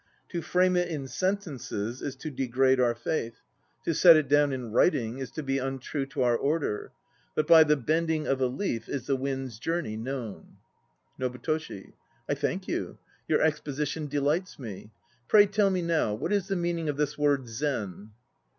To frame it in sentences is to degrade our faith; to set it down in writing is to be untrue to our Order; but by the bending of a leaf is the wind's journey known. NOBUTOSHI. I thank you; your exposition delights me. Pray tell me now, what is the meaning of this word "Zen"?